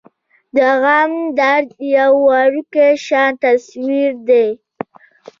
د غم درد يو وړوکے شان تصوير دے ۔